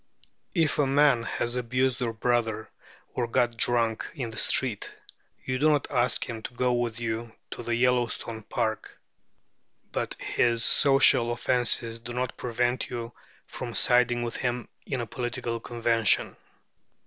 If a man has abused your brother, or got drunk in the street, you do not ask him to go with you to the Yellowstone Park. But his social offences do not prevent you from siding with him in a political convention.